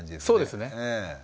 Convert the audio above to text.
そうですね。